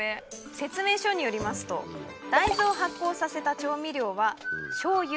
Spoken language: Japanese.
説明書によりますと大豆を発酵させた調味料は醤油。